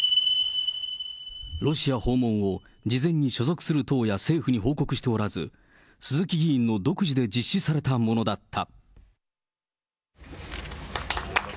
ロシア訪問を事前に所属する党や政府に報告しておらず、鈴木議員の独自で実施されたものだった。